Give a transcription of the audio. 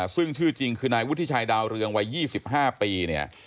ซึ่งชื่อจริงคือนายวุฒิชัยดาวเรืองวัย๒๕ปีเนี่ย